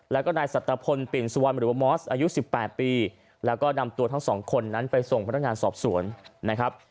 แล้วก็นายสัตวพลปิ่นสุวรรณหรือว่ามอสอายุ๑๘ปีแล้วก็นำตัวทั้งสองคนนั้นไปส่งพนักงานสอบสวนนะครับ